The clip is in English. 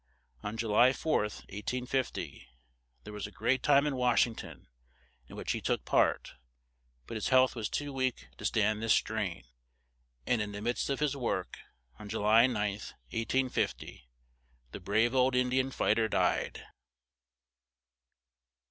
On Ju ly 4th, 1850, there was a great time in Wash ing ton, in which he took part; but his health was too weak to stand this strain; and in the midst of his work, on Ju ly 9th, 1850, the brave old In di an fight er died.